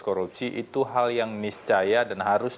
korupsi itu hal yang miscaya dan harus